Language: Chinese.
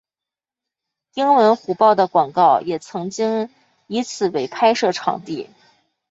英文虎报的广告也曾经以此为拍摄场地。